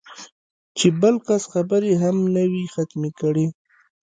چې بل کس خبرې هم نه وي ختمې کړې